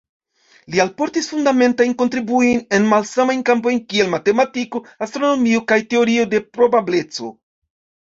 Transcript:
Li alportis fundamentajn kontribuojn en malsamajn kampojn, kiel matematiko, astronomio kaj teorio de probableco.